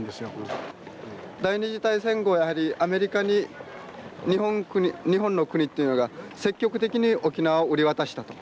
第２次大戦後やはりアメリカに日本の国っていうのが積極的に沖縄を売り渡したと。